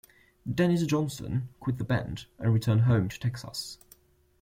Dennis Johnson quit the band and returned home to Texas.